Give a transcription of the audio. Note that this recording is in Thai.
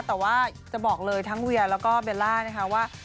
แต่ว่าจะบอกเลยตั้งเวียและเบลล่าว่า